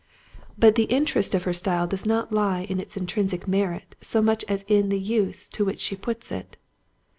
But the interest of her style does not lie in its intrinsic merit so much as in the use to which she puts it.